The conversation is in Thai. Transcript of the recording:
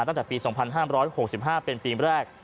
ตั้งแต่ปีสองพันห้ามร้อยหกสิบห้าเป็นปีแรก